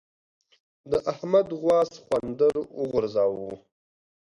د احمد غوا سخوندر وغورځاوو.